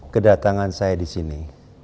kedatangan saya disini